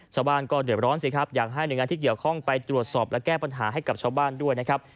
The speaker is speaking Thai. ชาวบ้านก็เดือดร้อนสิครับอยากให้หน่วยงานที่เกี่ยวข้องไปตรวจสอบและแก้ปัญหาให้กับชาวบ้านด้วยนะครับ